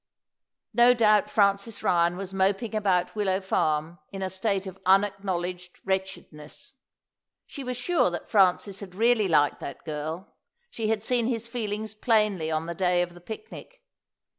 No doubt Francis Ryan was moping about Willow Farm in a state of unacknowledged wretchedness. She was sure that Francis had really liked that girl; she had seen his feelings plainly on the day of the picnic.